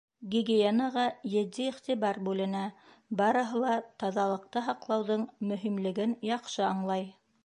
Гигиенаға етди иғтибар бүленә, барыһы ла таҙалыҡты һаҡлауҙың мөһимлеген яҡшы аңлай.